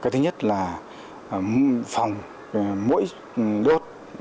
cái thứ nhất là phòng mũi đốt